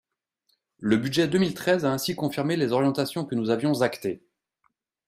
Le budget deux mille treize a ainsi confirmé les orientations que nous avions actées.